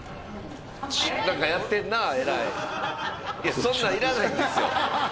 何かいやそんなんいらないんですよ